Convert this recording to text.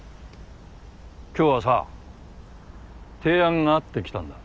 今日はさ提案があって来たんだ。